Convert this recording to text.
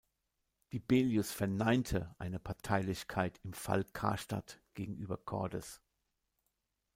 Dibelius verneinte eine Parteilichkeit im Fall "Karstadt" gegenüber Cordes.